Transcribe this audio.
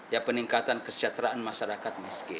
ya peningkatan kesejahteraan masyarakat miskin